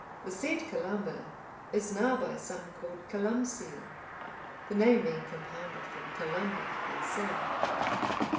The said Columba is now by some called Columcille, the name being compounded from "Columba" and "Cella."